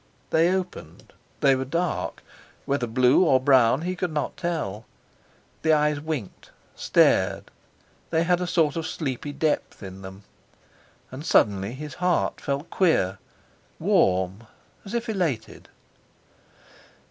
They opened, they were dark—whether blue or brown he could not tell. The eyes winked, stared, they had a sort of sleepy depth in them. And suddenly his heart felt queer, warm, as if elated.